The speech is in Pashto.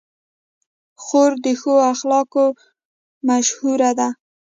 خور د ښو اخلاقو مشهوره ده.